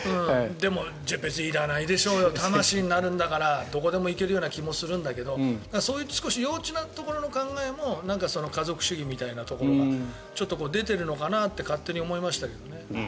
でも別にいらないでしょうよ魂だけになるんだから何処でも行けるような気がするんだけどそういう少し幼稚なところの考えも家族主義みたいなところがちょっと出ているのかなって勝手に思いましたけどね。